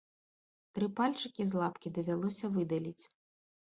Тры пальчыкі з лапкі давялося выдаліць.